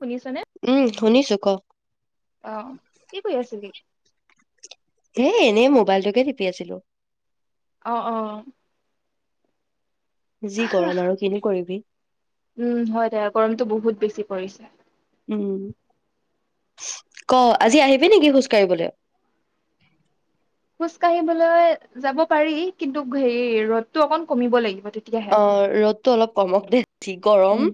শুনিছনে? উম শুনিছো ক অ কি কৰি আছিলি এ এনেই মোবাইলটোকে টিপি আছিলো অ অ যি গৰম আৰু কিনো কৰিবি উম হয় দে গৰমতটো বহুত বেছি পৰিছে উম ক আজি আহিবি নেকি খোজ কাঢ়িবলৈ খোজ কাঢ়িবলৈ যাব পাৰি কিন্তু হেৰি ৰ'দতটো অকন কমিব লাগিব তেতিয়াহে। অ ৰ'দটো অলপ কমক দেছি গৰম উম।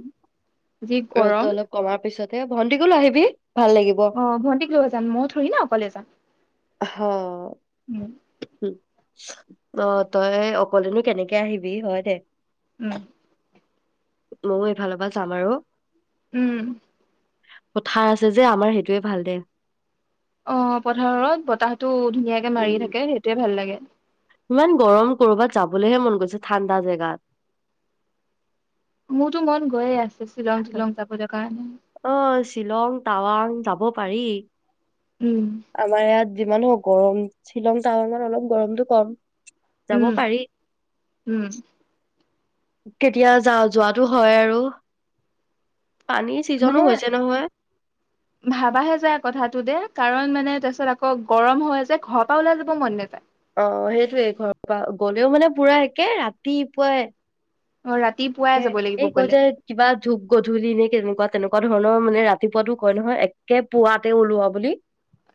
যি গৰম ৰ'দতটো অলপ কমাৰ পিছত এ ভণ্টি কোলো আহিবি ভাল লাগিব। অ ভন্টিক লৈ যাম মই থৰি ন অকলে যাম হা, উ অ তই অকলেনো কেনেকে আহিবি হয় দে উম ময়ো এইফালৰ পৰা চাম আৰু উম কথা আছে যে আমাৰ সেইটোৱে ভাল দে অ পথাৰত বতাহ টো ধুনীয়াকে মাৰি উম, থাকে সেইটোয়ে ভাল লাগে ইমান গৰম কৰ'বাত যাবলৈহে মন গৈছে ঠাণ্ডা জেগাত মোৰতো মন গৈয়ে আছে শ্বিলং তিলং যাবলৈ কাৰণে। অ শ্বিলং টাৱাংত হব পাৰি উম আমাৰ ইয়াত যিমানে হওঁক গৰম শ্বিলং টাৱাঙত অলপ গৰমতটো কম যাব উম পাৰি উম কেতিয়া যা যোৱাটো হয় আৰু পানীৰ ছিজনো মানে হৈছে নহয় ভাবাহে যায় কথাটো দে কাৰণ মানে তাৰপিছত আকৌ গৰম হৈ যে ঘৰৰ পৰা ওলাই যাব মন নেযায় অ সেইটোয়ে ঘৰৰ পৰা গলেও মানে পুৰা একে ৰাতিপুৱাই অ ৰাতিপুৱাই এ যাব লাগিব এই কৈ গ'লে যে কিবা ধূপ গধলি নে কেনেকুৱা তেনেকুৱা ধৰণৰ মানে ৰাতিপুৱাতো কয় নহয় একে পুৱাতে ওলোৱা বুলি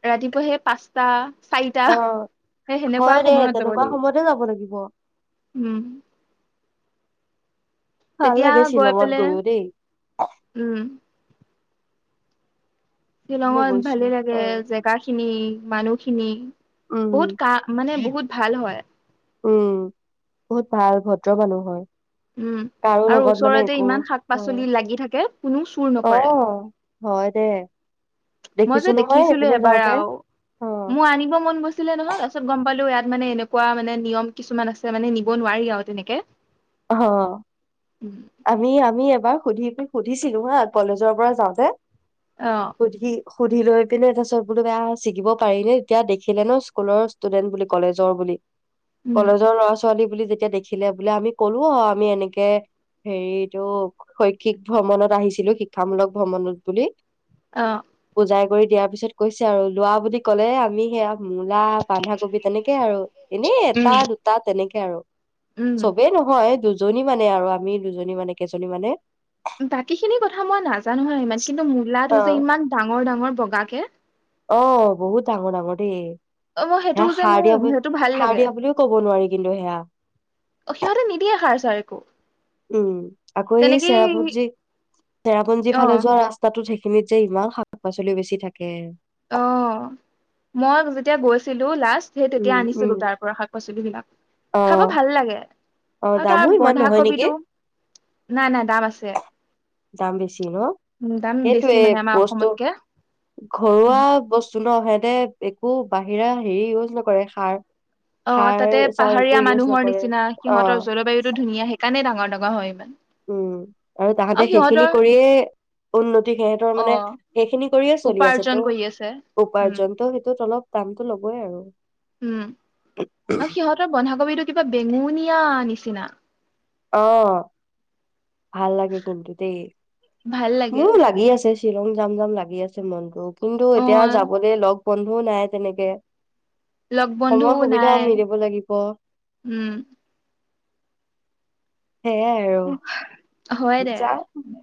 ৰাতিপুৱা সেই পাঁচটা চাৰিটা অ সেই সেনেকুৱা হয় দে সময়ত যাব তেনেকুৱা সময়তে যাব লাগিব উম ভাল তেতিয়া লাগে গৈ শ্বিলঙত পেলাই গৈও দেই উম মই শ্বিলঙত গৈছো ভালে লাগে অ জেগা খিনি মানুহখিনি উম বহুত কা মানে বহুত ভাল হয় উম বহুত ভাল ভদ্ৰ মানুহ হয় উম কাৰো আৰু লগত মানে ওচৰতে একো ইমান শাক অ পাচলি লাগি থাকে কোনো চুৰ অ', নকৰে হয় দে মই দেখিছো যে নহয় দেখিছিলো সেইপিনে এবাৰ যাওঁতে আৰু অ', মোৰ আনিব মন গৈছিলে নহয় তাৰপিছত গম পালো ইয়াত মানে এনেকুৱা মানে নিয়ম কিছুমান আছে মানে নিব নোৱাৰি আৰু তেনেকে অ আমি আমি বাৰ সুধিম সুধিছিলো হা কলেজৰ পৰা যাওঁতে অ সুধি সুধি লৈ পিনে টা চত বোলো বেয়া শিকিব পাৰিনে তেতিয়া দেখিলে ন স্কুলৰ ষ্টুডেণ্ট বুলি কলেজৰ বুলি উম কলেজৰ ল'ৰা ছোৱালী ছোৱালী বুলি যেতিয়া দেখিলে বোলে আমি কলো অ আমি এনেকে হেৰিটো শৈক্ষিক ভ্ৰমণত আহিছিলো শিক্ষামূলক ভ্ৰমণত বুলি অ পূজাই কৰি দিয়াৰ পিছত কৈছে আৰু লোৱা বুলি ক'লে আমি সেয়া মূলা বন্ধাকবি তেনেকে আৰু এনেই এটা দুটা তেনেকে স আৰু উম। চবেই নহয় দুজনী মানে আৰু আমি দুজনী মানে কেইজনী মানে বাকী খিনি কথা মই নাজানো হ ইমান কিন্তু অ মূলাটো যে ইমান ডাঙৰ ডাঙৰ বগাে অ বহুত আঙু ড অ মই সেইটো যে মোৰ সেইটো ভাল সাৰ লাগে দিয়া বুলিও ক'ব নোৱাৰি কিন্তু সেয়া সিহঁতে নিদিয়ে সাৰ। চ উম আকৌ এই চেৰাপুঞ্জী চেৰাপুঞ্জী অ ফালে যোৱা ৰাস্তাটো থ সখমিত যে ইমান শাক পাচলিও বেছি থাকে অ মই যেতিয়া গৈছিলো লাষ্ট স উম তেতিয়া উম আনিছিলো তাৰ পৰা শাক পাচলি বিলাক অ খাব ভাল লাগে অ আৰু তাৰ দামো ইমান নহয় নেকি বন্ধাকবিটো নাই নাই দাম আছে দাম বেছি ন উ দাম সেইটোয়ে বেছি মানে আমাৰ বস্তু অসমতকে ঘৰুৱা অ বস্তু। ন সিহঁতে একো বাহিৰা হেৰি ইউজ নকৰে সাৰ অ সাৰ তাতে পাহ। চাৰ একো পাহাৰীয়া ইউজ মানুহৰ নকৰে নিচিনা অ সিহতৰ জলবায়ুতটো ধুনীয়া সে মানে ডাঙৰ ডাঙৰ হয় ইমান। উম, আৰু তাহাঁতে সেইখিনি কৰিয়ে উন্নতি সিহতৰ অ মানে সেইখিনি কৰিয়ে চলি আছে উপাৰ্জন কৰি আছে ত' উম উপাৰ্জনত সেইটোত অলপ দামটো ল'বই আৰু। উম, আৰু সিহঁতৰ বন্ধাকবি কিবা বেঙুনি [unintelligible] ঙুনীয়া নিচনা। [unintelligible] অহ, ভাল লাগে কিন্তু দেই, ভাল লাগে মোৰো লাগি আছে। শ্বিলং যাম যাম লাগি আছে মন টো। কিন্তু অ এতিয়া যাবলৈ লগ বন্ধুও নাই তেনেকে। লগ সময় বন্ধুও সুবিধাও নাই মিলিব লাগিব। উম সেইয়াই হয় আৰু। দে যাওঁ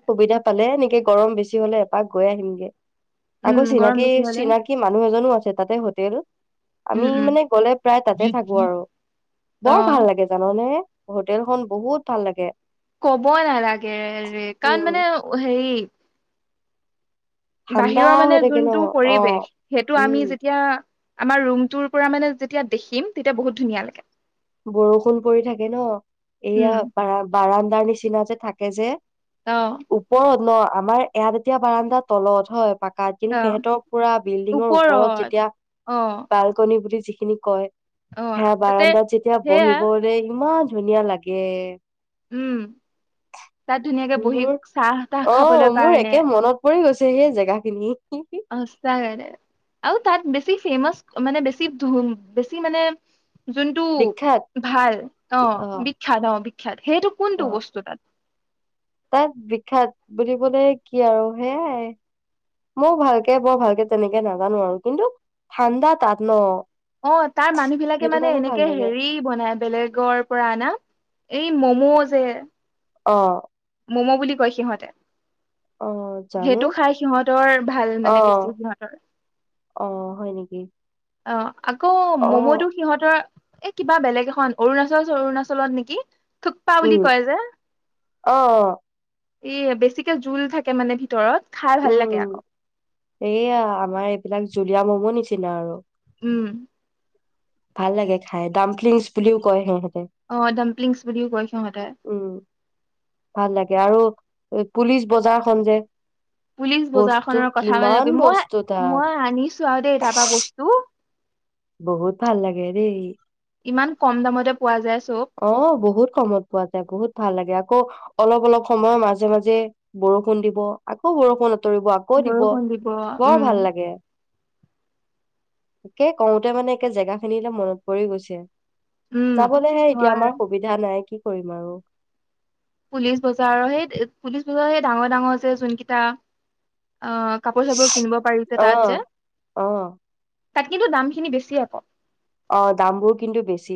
সুবিধা পালে নেক এই গৰম বেছি হ'লে এপাক গৈ আহিমগে। উম আকৌ গৰম চিনাকি, বেছি হলে চিনাকি মানুহ এজনো আছ তেপাতে হোটেল আমি, উম উম মানে গ'লে প্ৰায় তাতে থাকো আৰু, অ বৰ ভাল লাগে জাননে? হোটেলখন বহুত ভাল লাগে। ক'বই নালাগে ৰে, কাৰণ উম মানে হেৰি ঠাণ্ডা বাহিৰৰ হৈ মানে থাকে ন জোনটো অ পৰিৱেশ, সেইটো উম আমি যেতিয়া আমাৰ ৰুমটোৰ পৰা মানে যেতিয়া দেখিম। তেতিয়া বহুত ধুনীয়া লাগে। বৰষুণ পৰি থাকে ন' উম এইয়া বাৰাম বাৰান দাৰ নিচিনা যে, থাকে যে। অ ওপৰত ন'? আমাৰ ইয়াত এতিয়া বাৰাণ্ডা তলত হয়, পাক অ [unintelligible] সিহঁতৰ পুৰা বিল্ডিঙৰ ওপৰত যেতিয়া অ বালকনি বুলি যিখিনি কয় অ হা, তাতে বাৰাণ্ডা যে সেয়া বহিবলে [inaudible] ইমান ধুনীয়া লাগে। উম, তাত ধুনীয়াকে বহী মোৰ চাহ তাহ খাবলৈ কাৰণে। সেইয়ে জেগাখিনি। সঁচাকে দেই। আৰু তাত বেছি ফেমাচ, মানে বেছি ধু বেছি মানে যোনটো বিখ্যাত ভাল অ', বিখ্যাত অ', বি সেইটো কোনটো অ বস্তু তাত? তাত বিখ্যাত বুলিবলে কি আৰু সেয়াই। মই ভালকে বৰ ভালকে তেনেকে নাজানো আৰু কিন্তু ঠাণ্ডা তাত ন'। অ', তাৰ মানুহবিলাকে সেইটো মানে কাৰণে ভাল এনেকে লাগে হেৰি বনাই বেলেগৰ পৰা আনা। এই ম'ম' যে অ'। ম'ম' বুলি কয় সিহঁতে। অ জানো সেইটো খাই সিহঁতৰ ভাল অ মানে বেছি সিহঁতৰ। অ হয় নেকি অ', আকৌ অ ম'ম'টো সিহঁতৰ এ কিবা বেলেগ এখন অৰুণাচল অৰুণাচলত নেকি থুকপা বুলি উম কয় অঁ অঁ এ বেছিকে জোল থাকে মানে ভিতৰত খাই ভাল লাগে উম আকৌ সেয়ে আমাৰ এইবিলাক জুলিয়া ম'ম হব নিচিনা আৰু উম ভাল লাগে খাই ডাম্পলিংছ বুলিও কয় হে আহ ডাম্পলিংছ বুলিও কয় সিহঁতে উম ভাল লাগে আৰু পুলিচ বজাৰ খন যে পুলিচ বজাৰ বস্তু খনৰ কথা কিমান মানে মই বস্তু তাত মই আনিছো আৰু দেই তাৰ পৰা বস্তু বহুত ভাল লাগে দেই ইমান কম দামতে পোৱা যায় চব অঁ বহুত কমত পোৱা যায় বহুত ভাল লাগে আকৌ অলপ অলপ সময় মাজে মাজে বৰষুণ দিব আকৌ বৰষুণ তৰিব আকৌ দিব বৰষুণ বৰ উম ভাল লাগে একে কওঁতে মানে একে জেগা খিনিলে মনত পৰি গৈছে উম যাবলৈহে এতিয়া হয় আমাৰ সুবিধা নাই কি কৰিম আৰু পুলিচ বজাৰ আৰু সেই পুলিচ বজাৰ সেই ডাঙৰ ডাঙৰছে যোনকেইটা আহ কাপোৰ চাপোৰ কিনিব পাৰিছে অ তাত যে অ তাত কিন্তু দামখিনি বেছিয়ে আ কৌ অ দামবোৰ কিন্তু বেছি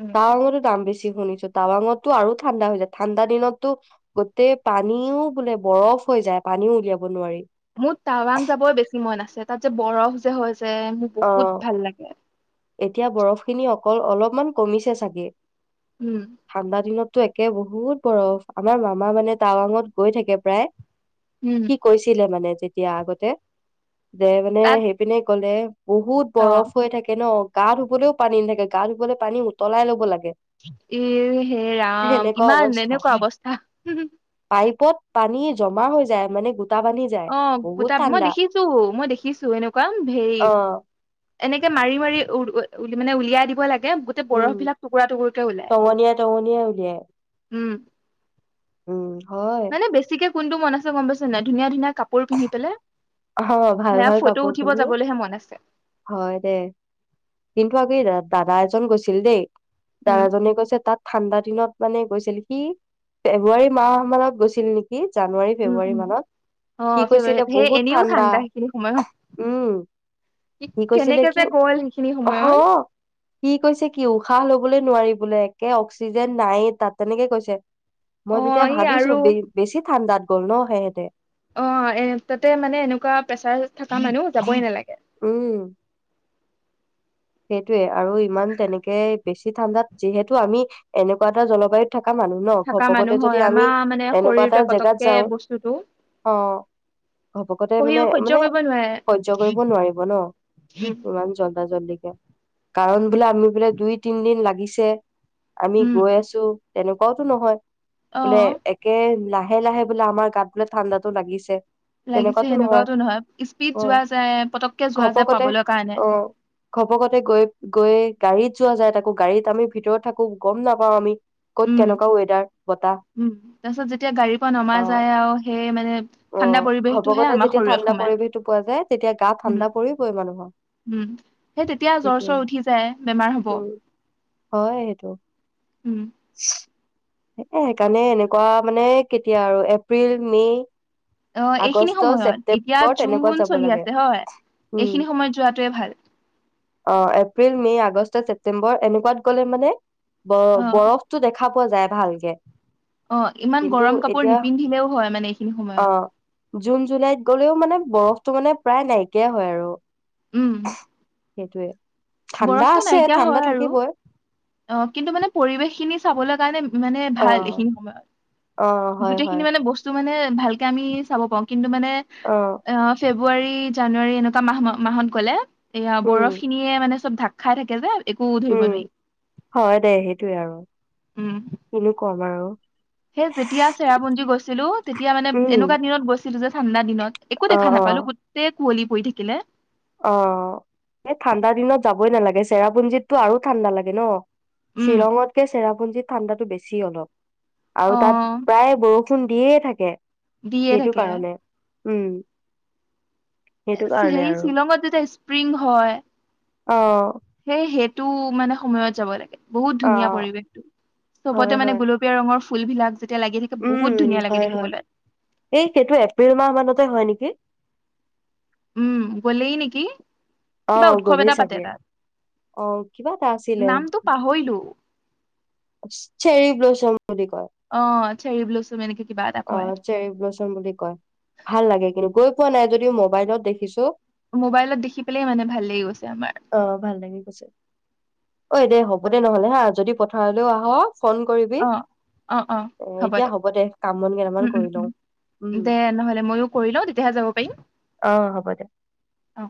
উম [unintelligible] দাম বেছি বেছি শুনিছো টাৱাঙটো আৰু ঠাণ্ডা হৈ যায় ঠাণ্ডা দিনতো গোটেই পানীও বোলে বৰফ হৈ যায় পানীও উলিয়াব নোৱাৰি মোৰ টাৱাং যাবই বেছি মন আছে তাত যে বৰফ যে হয় যে মোৰ অ বহুত ভাল লাগে এতিয়া বৰফ খিনি অকল অলপমান কমিছে চাগে। উম ঠাণ্ডা দিনত টো একে বহুত বৰফ, আমাৰ মামা মানে টাৱাঙত গৈ থাকে প্ৰায়। উম সি কৈছিলে মানে। তেতিয়া আগতে। দে মানে তাত সেইপিনে ক'লে। বহুত অ বৰফ হৈ থাকে ন? গা ধুবলৈও পানী নাথাকে, গা ধুবলৈ পানী উতলাই ল'ব লাগে। এ, হে ৰাম, সেনেকুৱা ইমান অৱস্থা এনেকুৱা অৱস্থা। পত পানী জমা হৈ যায়, মানে গোট অ', গোটা, মই দেখিছো, মই দেখিছো এনেকুৱা হেৰি অ'। এনেকে মাৰি মাৰি উ মানে উলিয়াই দিব লাগে। গোটেই বৰফ উম, বিলাক টুকুৰা টুকুৰকে ওলাই টঙলীয়াই-টঙলীয়াই উলিয়াই। উম। [inaudible] মানে বেছিকে কোনটো মন আছে গম পাইছে নে নাই, ধুনীয়া, ধুনীয়া কাপোৰ কিনি পেলে অ', ভাল ভাল কাপোৰ পিন্ধি, যাবলৈহে মন আছে হয় দে, কিন্তু আমি ৰাত দাদা এজন গৈছিল দেই। উম দাদাজনে কৈছে তাত ঠাণ্ডা দিনত মানে গৈছিল, সি ফেব্ৰুৱাৰী মাহ মানত গৈছিল নেকি? জানুৱাৰী, উম ফেব্ৰুৱাৰী উম মানত, অ সি কৈছিলে ফেভাৰেট সেই বহুত এনেও দা, ঠাণ্ডা সেইখিনি সময়ত উম সি কৈছিলে কেনেকে কি, যে গ'ল সেইখিনি সময়ত অ', সি কৈছে কি উশাহ ল'বলৈ নোৱাৰি বোলে, একে অক্সিজেন নাইয়েই তাত তেনেকে কৈছে। মই অ তেতিয়া এই ভাবিছো আৰু বে, বেছি ঠাণ্ডাত গ'ল ন, সেহঁতে অ', এ তাতে মানে এনেকুৱা প্ৰেছাৰ থকা মানুহ যাবই নালাগে। উম সেইটোয়ে আৰু ইমান তেনেকে বেছি ঠাণ্ডাত যিহেতু আমি এনেকুৱা এটা জলবায়ুত থাক থাকা মানুহ ন, থকা মানুহ ঘপকতে হয় যদি আমি আমাৰ মানে এনেকুৱা এটা শৰীৰটোৱে জেগাত পতককে যাও, বস্তুটো অ', ঘপকতে সহি মানে, সহ্য মানে কৰিব নোৱাৰে সহ্য কৰিব নোৱাৰিব ন, ইমান জ [unintelligible] কাৰণ বোলে আমি বোলে দুই-তিনদিন লাগিছে। আমি উম গৈ আছো। তেনেকুৱাওতো নহয় অ বোলে একে লাহে লাহে লাহে বোলে আমাৰ গাত বোলে ঠাণ্ডাটো লাগিছে লাগিছে সেনেকুৱাওটো নহয় স্পীড অ যোৱা যায় পতককে যোৱা যায় ঘপকতে পাবলে কাৰণে অ ঘপকতে গৈ গৈ গাড়ীত যোৱা যায় তাকো গাড়ীত আমি ভিতৰত থাকো গম নাপাও আমি কত উম কেনেকুৱা ৱেডাৰ বতাহ উম তাৰ পিছত যেতিয়া গাড়ীৰ পৰা নমা অ যায় আৰু সেই মানে অ ঠাণ্ডা পৰিৱেশটোহে ঘপকতে আমাৰ যেতিয়া শৰীৰত ঠাণ্ডা সোমায় পৰিৱেশটো পোৱা যায় তেতিয়া গা উম ঠাণ্ডা পৰিবই মানুহৰ উম সেই তেতিয়া জ্বৰ সেইটোয়ে চৰ উঠি যায় বেমাৰ হব উম হয় সেইটো উম এ সেইকাৰণে এনেকুৱা মানে কেতিয়া আৰু এপ্ৰিল মে অ এইখিনি আগষ্ট, সময়ত এতিয়া ছেপ্তেম্বৰ তেনেকুৱাত জুন যাব চলি লাগে। আছে হয় উম, এইখিনি সময়ত যোৱাটোৱে ভাল অ এপ্ৰিল মে' আগষ্ট ছেপ্তেম্বৰ এনেকুৱাত গ'লে মানে অ বৰফটো দেখা খা পোৱা যায় ভালকে অ ইমান কিন্তু গৰম কাপোৰ এতিয়া নিপিন্ধিলেও হয় মানে এইখিনি সময়ত অ' জুন জুলাইত গ'লেও মানে বৰফটো মানে প্ৰায় নাইকিয়াই হয় আৰু উম সেইটোৱে বৰফটো নাইকিয়া হয় আৰু অ কিন্তু মানে পৰিৱেশ খিনি চাবলৈ কাৰণে মানে ভাল অ' এইখিনি সময়ত অ হয় হয় গোটেইখিনি মানে বস্তু মানে ভালকে আমি চাব পাওঁ কিন্তু মানে অ ফেব্ৰুৱাৰী জানুৱাৰী এনেকোৱা [unintelligible] মাহ মাহত গলে এয়া উম, বৰফ খিনিয়ে মানে চব ধাক খাই থাকে যে একো ধৰিব উম নোৱাৰি হয় দে সেইটোয়ে আৰু কিনো কম বাৰু হেই যেতিয়া চেৰাপুঞ্জী গৈছিলো তেতিয়া মানে উম, এনেকুৱা দিনত গৈছিলো যে ঠাণ্ডা দিনত একো অ', দেখা নাপালো অ'। গোটেই কুঁৱলি পৰি থাকিলে অ এই ঠাণ্ডা দিনত যাবই নালাগে চেৰাপুঞ্জীতটো আৰু ঠাণ্ডা লাগে ন উম শ্বিলঙতকে চেৰাপুঞ্জিত ঠাণ্ডাটো বেছি অলপ আৰু অ তাত প্ৰায় বৌ খুন্দিয়ে থাকে দিয়ে সেইটো থাকে কাৰণে উম সেইটো কাৰণে সেই আৰু শিলংত যে স্প্ৰিং হয় অ সেই সেইটো মানে সময়ত যাব লাগে বহুত ধুনীয়া অ', পৰিবেশটো চবতে হয়, মানে হয়। গোলপীয়া ৰঙৰ ফুল বিলাক যেতিয়া লাগি থাকে বহুত উম ধুনীয়া লাগে হয় হয় দেখিবলৈ এই সেইটো এপ্ৰিল মাহ মানতে হয় নেকি? [unintelligible] উম গলেই নেকি কিবা অ', উৎসৱ গ'লেই এটা পাতে চাগে। তাত অ', কিবা এটা নামটো পাহৰিলো চেৰি ব্লচম বুলি কয়। অ চেৰি ব্লোজম এনেকে কিবা এটা অ কয় চেৰি ব্লচুম বুলি কয় ভাল লাগে কিন্তু গৈ পোৱা নাই যদিও মোবাইলত দেখিছো মোবাইলত দেখি পেলাই মানে ভাল লাগি গৈছে আমাৰ অ ভাল লাগি গৈছে ঐ দে হ'ব দে নহলে হা যদি পথাৰলৈও আহ ফোন কৰিবি অ অ অ এ হ'ব এতিয়া দে কাম বন কেইটামান কৰি লওঁ উম দে নহ'লে ময়ো কৰি লওঁ তেতিয়াহে যাব পাৰিম অ' হ'ব দে। অ